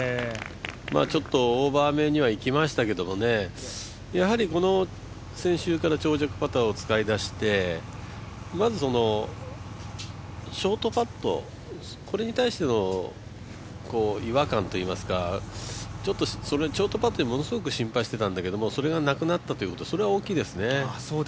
ちょっとオーバー目にはいきましたけど、先週から長尺パターを使いだして、ショートパットこれに対しての違和感といいますかショートパットをものすごく心配していたんですけどそれがなくなったこと、それは大きいですね。